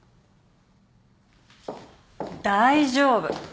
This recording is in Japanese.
大丈夫。